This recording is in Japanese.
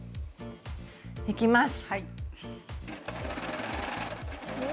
いきます！